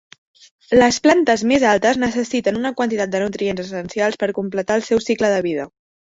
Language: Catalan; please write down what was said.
Les plantes més altes necessiten una quantitat de nutrients essencials per completar el seu cicle de vida.